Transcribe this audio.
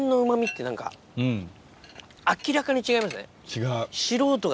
違う。